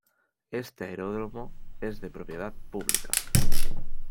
Este aeródromo es de propiedad pública.